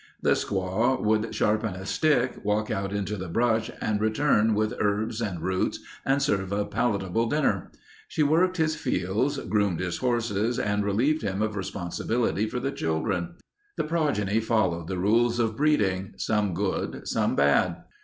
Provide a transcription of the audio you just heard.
The squaw could sharpen a stick, walk out into the brush and return with herbs and roots and serve a palatable dinner. She worked his fields, groomed his horses and relieved him of responsibility for the children. The progeny followed the rules of breeding. Some good. Some bad.